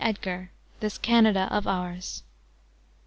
EDGAR: "This Canada of Ours."